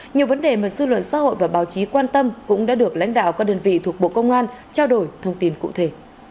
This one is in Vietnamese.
nhiều vấn đề mà sư luận xã hội và báo chí quan tâm cũng đã được lãnh đạo các đơn vị thuộc bộ công an trao đổi thông tin cụ thể